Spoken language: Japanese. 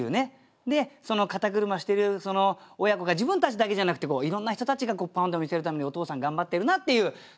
でその肩車してる親子が自分たちだけじゃなくていろんな人たちがパンダを見せるためにお父さん頑張ってるなっていう姿。